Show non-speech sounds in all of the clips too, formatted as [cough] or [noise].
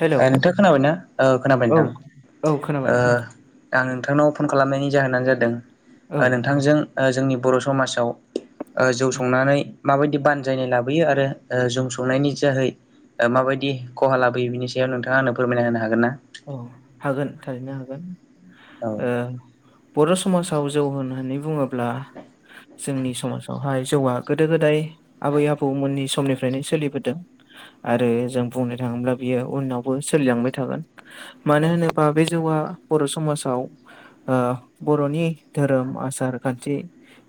Hello नोंथा खोनाबायना? ओ खोनाबाय औ नोंथां। औ ओ खोनाबाय आं नोंथांनाव फन खालामनायनि जाहोनानो जादों औ ओ नोंथांजों जोंनि बर' समाजाव जौ संनानै माबायदि बानजायनाय लाबोयो आरो। जों संनायनि जोहै माबायदि खहा लाबोयो बिनि सायाव नोंथाङ आनो फोरमायना होनो हागोन ना? औ हागोन थारैनो हागोन। औ ओ बर' समाजाव जौ होननानै बुङोब्ला। जोंनि समाजावहाय जौआ गोदो गोदाय आबै आबौमोननि समनिफ्रायनो सोलिबोदों। आरो जों बुंनो थाङोब्ला बियो उनावबो सोलिलांबाय थागोन। मानो होनोबा बे जौआ बर' समाजाव। ओ बर'नि धोरोम आसार खान्थि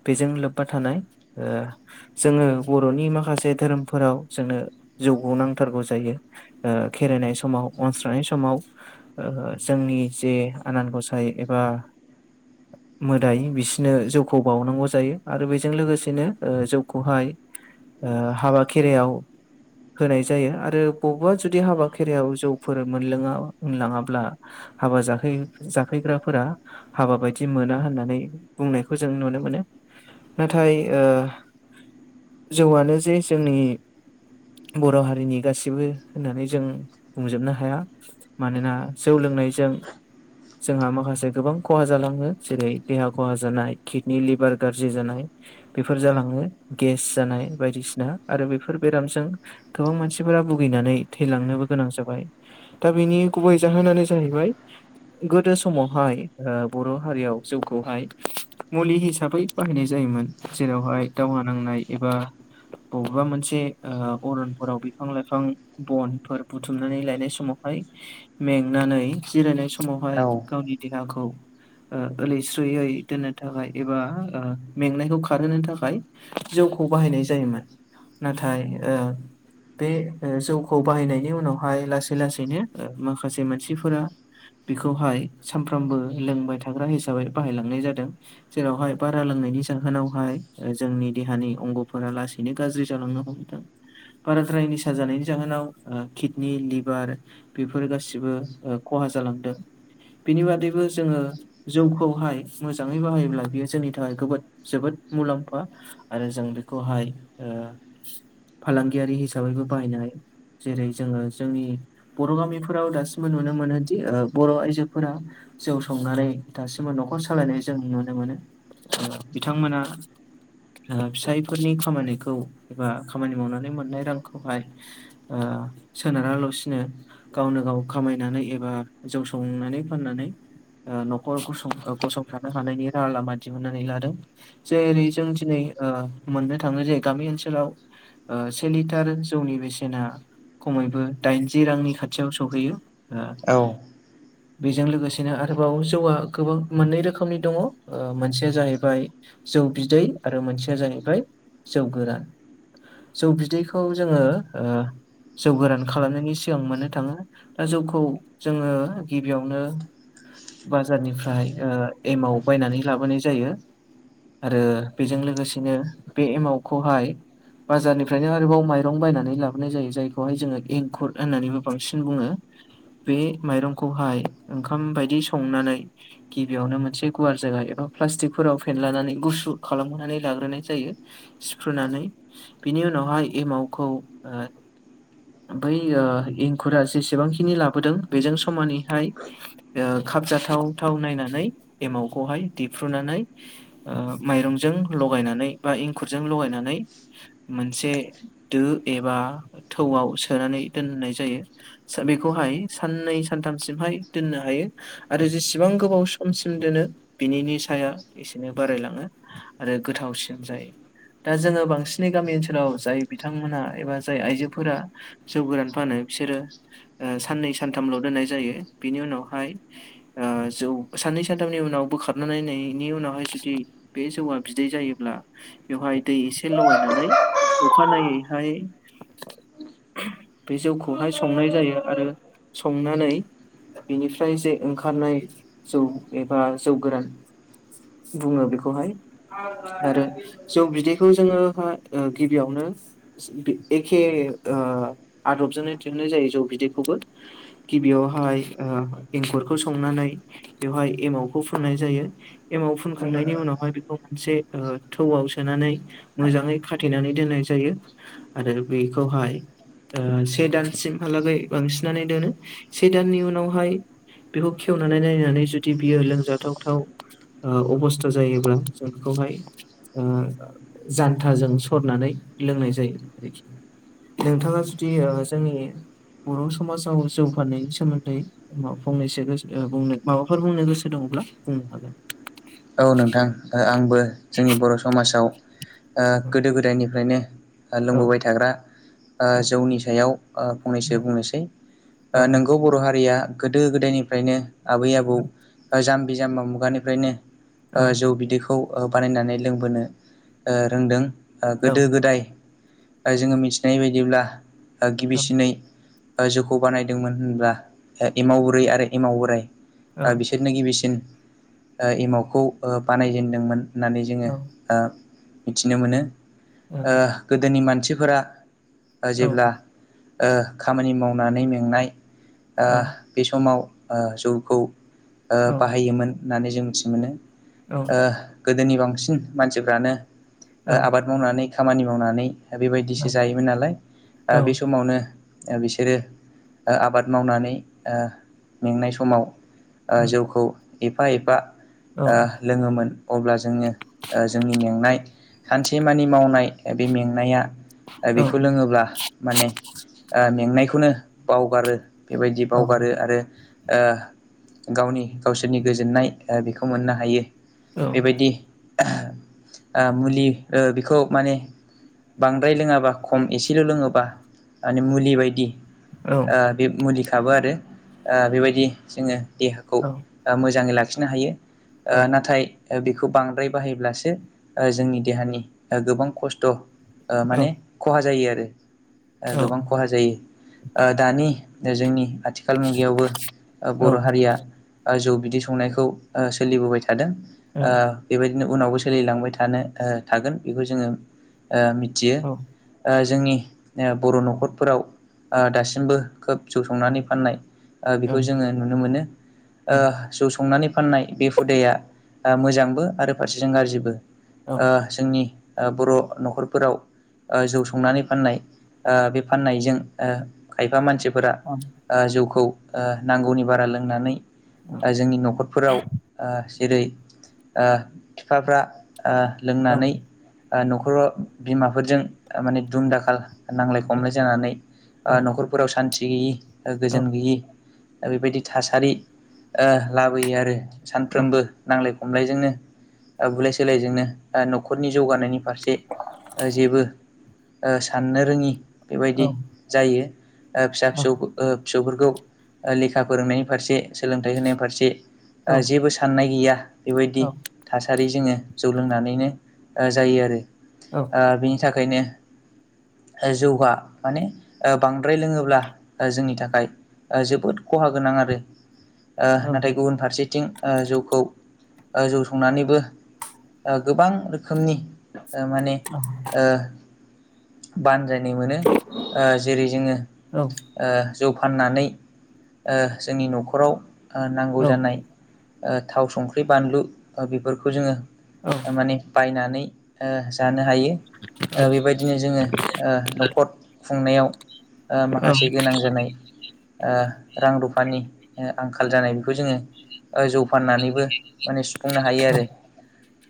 बेजों लोब्बा थानाय ओ जोङो बर'नि माखासे धोरोमफोराव जोंनो जौखौ नांथारगौ जायो। ओ खेराइनाय समाव अनस्रनाय समाव ओ जोंनि जे आनान गसाय एबा [inaudible] मोदाय बिसोरनो जौखौ बावनांगौ जायो आरो बेजों लोगोसेनो ओ जौखौहाय ओ हाबा खेरायाव होनाय जायो आरो बबेबा जुदि हाबा खेरयाव जौफोर मोनलोङा मोनलोङाब्ला हाबा जाहै जाफैग्राफोरा हाबा बायदि मोना होननानै बुंनायखौ जों नुनो मोनो। नाथाय ओ जौआनो जे जोंनि बर' हारिनि गाससिबो होननानै जों बुंजोबनो हाया। मानोना जौ लोंनायजों जोंहा माखासे गोबां खहा जालाङो जेरै देहा खहा जानाय किडनि लिभार गाज्रि जानाय बेफोर जालाङो गेस जानाय बायदिसिना आरो बेफोर बेरामजों गोबां मानसिफोरा भुगैनानै थैलांनोबो गोनां जाबाय दा बेनि गुबै जाहोनानै जाहैबाय गोदो समावहाय ओ बर' हारियाव जौखौहाय मुलि हिसाबै बाहायनाय जायोमोन। जेरावहाय दावहा नांनाय एबा बबेबा मोनसे अरनफोराव बिफां लाइफां बनफोर बुथुमनानै लायनाय समावहाय मेंनानै जिरायनाय समावहाय औ गावनि देहाखौ ओ ओलैस्रोयै दोननो थाखाय एबा ओ मेंनायखौ खारहोनो थाखाय जौखौ बाहायनाय जायोमोन नाथाय ओ बे जौखौ बाहायनायनि उनावहाय लासै लासैनो माखासे मानसिफोरा बेखौहाय सानफ्रामबो लोंबाय थाग्रा हिसाबै बाहायलांनाय जादों जेरावहाय बारा लोंनायनि जाहोनावहाय जोंनि देहानि अंग'फोरा लासै नो गाज्रि जालांना हमदों। बाराद्राय निसा जानायनि जाहोनाव किडनि लिभार बेफोर गासिबो खहा जालांदों। बिनि बादैबो जोङो जौखौहाय मोजाङै बाहायोब्ला बियो जोंनि थाखाय जोबोद जोबोद मुलाम्फा आरो जों बेखौहाय ओ फालांगियारि हिसाबैबो बाहायनाय जेरै जोङो जोंनि बर' गामिफोराव दासिमबो नुनो मोनोदि ओ बर' आइजोफोरा जौ संनानै दासिमबो न'खर सालायनाय जों नुनो मोनो बिथांमोना ओ फिसायफोरनि खामानिखौ एबा खामानि मावनानै मोननाय रांखौहाय ओ सोनाराल'सिनो गावनो गाव खामायनानै एबा जौ संनानै फाननानै ओ न'खर गं गसंथानो हानायनि राहा लामा दिहुनन्नानै लादों। जेरै जों दिनै ओ मोननो थाङो जे गामि ओनसोलाव ओ से लिटार जौनि बेसेना खमैबो दाइनजि रांनि खाथियाव‌ सहैयै। औ [inaudible] बेजों लोगोसेनो आरोबाव जौआ गोबां मोननै रोखोमनि दङ मोनसेया जाहैबाय जौ बिदै आरो मोनसेया जाहैबाय जौ गोरान। जौ बिदैखौ जोङो ओ जौ गोरान खालामनायनि सिगां मोननो थाङो दा जौखौ जोङो गिबियावनो बाजारनिफ्राय एमाव बायनानै लाबोनाय जायो आरो बेजों लोगोसेनो बे एमावखौहाय बाजारनिफ्रायनो आरोबाव माइरं बायनानै लाबोनाय जायो जायखौहाय जोङो एंखुर होननानैबो बांसिन बुङो बे माइरंखौहाय ओंखाम बायदि संनानै गिबियावनो मोनसे गुवार जायगा एबा प्लास्टिकफोराव फेनलानानै गुसु खालामहोनानै लाग्रोनाय जायो। सिफ्रुनानै बिनि उनावहाय एमावखौ बै ओ एंखुरा जेसेबांखिनि लाबोदों बेजों समानैहाय ओ खाबजाथाव थाव नायनानै एमावखौहाय देफ्रुनानै ओ माइरंजों लगायनानै बा एंखुरजों लगायनानै मोनसे दो एबा थौआव सोनानै दोननाय जायो। बेखौहाय साननै सानथामसिमहाय दोननो हायो आरो जेसेबां गोबाव समसिम दोनो बिनि नि साया एसेनो बारायलाङो आरो गोथावसिन जायो दा जोङो बां बांसिनै गामि ओनसोलाव जाय बिथांमोना एबा जाय आइजोफोरा जौ गोरान फानो बिसोरो साननै सानथामल' दोननाय जायो बिनि उनावहाय ओ जौ साननै सानथामनि उनाव बोखारनानै नायनायनि उनावहाय जुदि बे जौआ बिदै जायोब्ला बेवहाय दै एसे लगायनानै अखानायैहाय बे जौखौहाय संनाय जायो आरो संनानै बेनिफ्राय जे ओंखारनाय जौ एबा जौ गोरान बुङो बेखौहाय आरो जौ बिदैखौ जोङो ओ गिबियावनो एखे आदबजोंनो दिहनाय जायो जौ बिदैखौबो गिबियावहाय एंखुरखौ संनानै बेवहाय एमावखौ फुननाय जायो एमाव फुनखांनायनि उनावहाय बेखौ मोनसे ओ थौआव सोनानै मोजाङै खाथेनानै दोननाय जायो आरो बेखौहाय ओ से दान सिमहालागै बांसिननानै दोनो से दाननि उनावहाय बेखौ खेवनानै नायनानै जुदि बियो लोंजाथाव थाव अबस्था जायोब्ला जों बिखौहाय ओ जान्थाजों सरनानै लोंनाय जायो आरोखि नोंथाङा जुदि ओ जोंनि बर' समाजाव जौगानायनि सोमोन्दै फंनैसो गोसो ओ बुंनो माबाफोर बुंनो गोसो दङब्ला बुंनो हागोन औ नोंथां आंबो जोंनि बर' समाजाव ओ गोदो गोदायनिफ्रायनो औ लोंबोबाय थाग्रा ओ जौनि सायाव ओ फंनैसो औ बुंनोसै‌‌ ओ औ नोंगौ बर' हारिया गोदो गोदायनिफ्रायनो आबै आबौ बा जाम्बि जाम्बिा मुगानिफ्रायनो ओ जौ बिदैखौ ‌ओ बानायनानै लोंबोनो ओ रोंदों ओ औ गोदो गोदाय ओ जोङो मिथिनाय बायदिब्ला ओ गिबिसिनै ओ जौखौ बानायदोंमोन होनब्ला ओ एमाव बुरै आरो एमाव बोराइ ओ बिसोर नो गिबिसिन ओ एमावखौ ओ बानायजेनदोंमोन होननानै जोङो औ ओ मिथिनो मोनो ओ गोदोनि मानसिफोरा ओ औ जेब्ला ओ खामानि मावनानै मेंनाय ओ बे समाव ओ जौखौ ओ बाहायोमोन होननानै जों मिथि मोनो ओ गोदोनि बांसिन मानसिफ्रानो औ ओ आबाद मावनानै खामानि मावनानै ओ बेबायदिसो जायोमोन नालाय ओ बे समावनो ओ बिसोरो आबाद ओ मावनानै मेंनाय समाव ओ उम जौखौ एफा एफा औ ओ लोङोमोन अब्ला जोङो ओ जोंनि मेंनाय सानसे मानि मावनाय ओ बे मेंनाया ओ दा औ बेखौ लोङोब्ला माने ओ मेंनायखौनो बावगारो बेबायदि बावगारो आरो ओ गावनि गावसोरनि गोजोननाय ओ बेखौ मोननो हायो औ बेबायदि ओ मुलि ओ बेखौ माने बांद्राय लोङाबा खम एसेल' लोङोबा माने मुलि बायदि औ औ ओ बेब मुलि खाबो आरो ओ बेबायदि जोङो देहाखौ ओ मोजाङै लाखिनो हायो ओ नाथाय ओ बेखौ बांद्राय बाहायोब्लासो ओ जोंनि देहानि ओ गोबां खस्थ' ओ औ माने खहा जायो आरो ओ गोबां उम खहा जायो ओ दानि ओ जोंनि आथिखाल मुगायावबो ओ बर' हारिया ओ जौ बिदि संनायखौ ओ सोलिबोबाय थादों ओ बेबायदिनो उनावबो सोलिलांबाय थानो ओ थागोन बेखौ जोङो ओ मिथियो ओ जोंनि ओ बर' न'खरफोराव ओ दासिमबो खोब जौ संनानै फाननाय ओ औ बेखौ जोङो नुनो मोनो ओ जौ संनानै फाननाय बे हुदाया ओ मोजांबो आरो फारसेथि गाज्रिबो औ ओ औ औ जोंनि ओ बर' न'खरफोराव ओ जौ संनानै फाननाय ओ बे फाननायजों खायफा मानसिफोरा ओ जौखौ ओ नांगौनि बारा लोंनानै ओ जोंनि न'खरफोराव ओ जेरै फिफाफ्रा लोंनानै ओ न'खराव बिमाफोरजों माने दुम दाखाल नांलाय खमलाय जानानै ओ न'खरफोराव सान्थि गैयि औ गोजोन गैयि ओ बेबायदि थासारि ओ लाबोयो आरो सानफ्रोमबो नांलाय ख खमलायजोंनो ओ बुलाय सोलायजोंनो न'खरनि जौगानायनि फारसे ओ जेबो ओ साननो रोङि बेबायदि जायो ओ फिसा फिसौ ओ फिसौफोरखौ ओ लेखा फोरोंनायनि फारसे सोलोंथाइ होनाय फारसे जेबो साननाय गैया बेबायदि औ थासारि जोङो जौ लोंनानैनो जायो आरो औ ओ बिनि थाखायनो जौगा माने ओ बांद्राय लोङोब्ला ओ जोंनि थाखाय जोबोद खहा गोनां आरो ओ औ नाथाय गुबुन फारसे बिथिं ओ जौखौ ओ जौ संनानैबो ओ गोबां रोखोमनि माने [unintelligible] ओ बानजायनाय मोनो जेरै जोङो ओ जौ फाननानै ओ जोंनि न'खराव नांगौ जानाय ओ थाव संख्रि बानलु ओ बेफोरखौ जोङो ओ माने बायनानै ओ जानो हायो ओ बेबायदि बिदिनो जोङो ओ न'खर खुंनायाव माखासे गोनां जानाय ओ रां रुफानि आंखाल जानाय बेखौ जोङो ओ जौ फाननानैबो माने सु फुंनो हायो आरो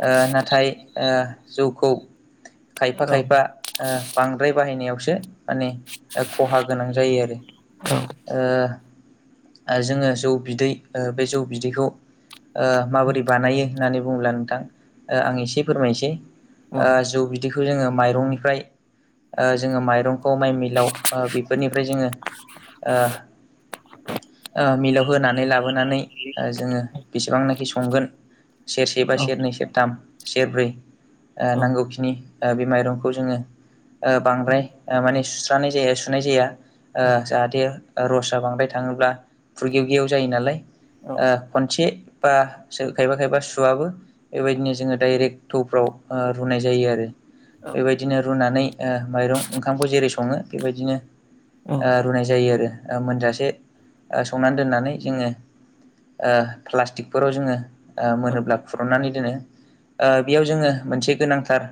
ओ नाथाय ओ जौखौ खायफा खायफा ओ बांद्राय बाहायनायावसो माने खहा गोनां जायो आरो ओ ओ जोङो जौ बिदै ओ बे जौ बिदैखौ ओ माबोरै बानायो होननानै बुङोब्ला नोंथां ओ आं एसे फोरमायनोसै ओ जौ बिदैखौ बेखौ जोङो माइरंनिफ्राय ओ जोङो माइरंखौ माइ मिलाव ओ बेफोरनिफ्राय जोङो ओ ओ मिलौ होनानै लाबोनानै ओ जोङो बेसेबांनाखि संगोन सेरसे बा सेरनै सेरथाम सेरब्रै ओ नांगौखिनि ओ बे माइरंखौ जोङो ओ बांद्राय माने सुस्रानाय जाया सुनाय जाया ओ जाहाथे रसाआ बांद्राय थाङोब्ला पुरगेवगेव जायो नालाय ओ खनसे बा खायबा खायबा सुवाबबो बेबायदिनो जोङो डाइरेक्ट थौफ्राव रुनाय जायो आरो बेबायदिनो रुनानै ओ माइरं ओंखामखौ जेरै सङो बेबायदिनो ओ रुनाय जायो आरो मोनजासे संनानै दोननानै जोङो ओ प्लास्टिकफोराव जोङो मोनोब्ला फ्रुरुननानै दोनो ओ बेयाव जोङो मोनसे गोनांथार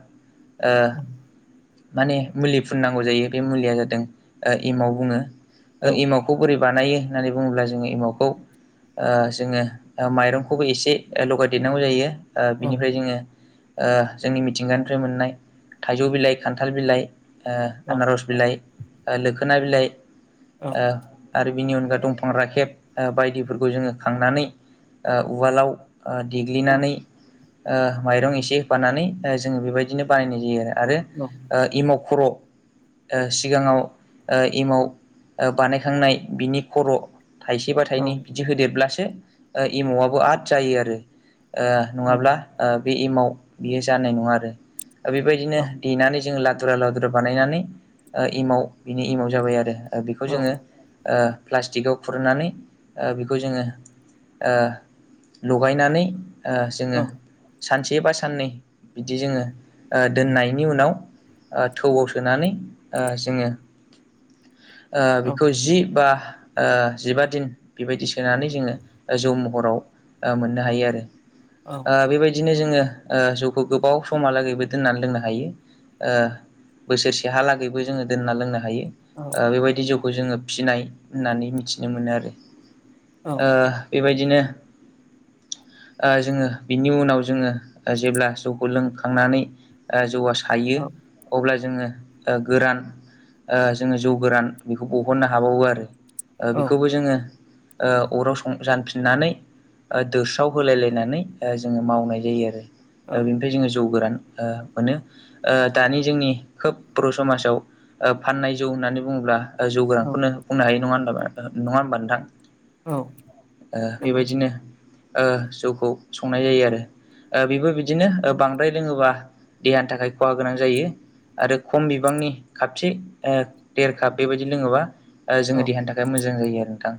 ओ माने मुलि फुननांगौ जायो बे मुलिया जादों ओ एमाव बुङो एमाव बोरै बानायो होननानै बुङोब्ला जोङो एमावखौ ओ जोङो ओ माइरंखौबो एसे लगायदेरनांगौ जायो ओ बिनिफ्राय जोङो ओ जोंनि मिथिंगानिफ्राय मोननाय थाइजौ बिलाइ खान्थाल बिलाइ आनारस बिलाइ लोखोना बिलाइ ओ आरो बिनि अनगा दंफां राखेब ओ बायदिफोरखौ जोङो खांनानै ओ उवालाव ओ औ देग्लिनानै ओ माइरं एसे होफानानै ओ जों बेबायदिनो बानायनाय जायो आरो आरो [inaudible] ओ इमाव खर' सिगाङाव एमाव बानायखांनाय बिनि खर' थाइसेबा थाइनै बिदि होदेरब्लासो एमावआबो आद जायो आरो। नङाब्ला बे एमाव बियो जानाय नङा आरो बेबायदिनो औ देनानै जोङो लादुरा लादुरा बानायनानै एमाव बिनि एमाव जाबाय आरो बेखौ जोङो प्लास्टिकआव खुरनानै ओ बेखौ जोङो लगायनानै जोङो सानसे बा साननै बिदि जोङो ओ दोपननायनि उनाव थौआव सोनानै जोङो बिखौ जि बा जिबा दिन बेबायदि सोनानै जोङो जौ महराव मोननो हायो आरो औ बेबायदिनो जोङो जौखौ गोबाव समहालागैबो दोननानै लोंनो हायो। बोसोरसेहालागैबो जोङो दोनना लोंनो हायो। बेबायदि जौखौ जोङो फिनाय होननानै मिथिनो मोनो आरो। बेबायदिनो जोङो बिनि उनाव जोङो जेब्ला जौखौ लोंखांनानै जौआ सायो अब्ला जोङो गोरान जोङो जौ गोरान बेखौ बहननो हाबावो आरो बेखौबो जोङो अराव सं जानफिननानै दोस्राव होलायलायनानै जोङो मावनाय जायो आरो बेनिफ्राय जोङो जौ गोरान माने दानि जोंनि खोब बर' समाजाव फाननाय जौ होननानै बुङोब्ला जौ गोरानखौनो बुंनो हायो नङा होनबा नङा होनबा नोंथां औ नंगौ बेबायदिनो जौखौ संनाय जायो आरो बेबो बिदिनो बांद्राय लोङोबा देहानि थाखाय खहा गोनां जायो आरो खम बिबांनि खापसे देर काप बेबायदि लोङोबा जोंनि औ देहानि थाखाय मोजां जायो आरो नोंथां।